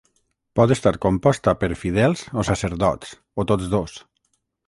Pot estar composta per fidels o sacerdots, o tots dos.